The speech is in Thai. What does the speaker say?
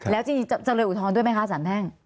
แล้วจริงเจริญอุทธรณ์ด้วยไหมคะสารแพ่ง